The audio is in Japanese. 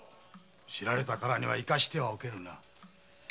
知られたからには生かしてはおけぬな。